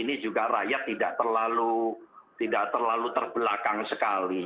dan juga rakyat tidak terlalu tidak terlalu terbelakang sekali